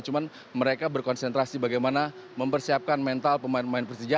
cuma mereka berkonsentrasi bagaimana mempersiapkan mental pemain pemain persija